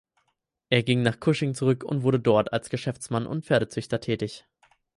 Er ging nach Cushing zurück und wurde dort als Geschäftsmann und Pferdezüchter tätig.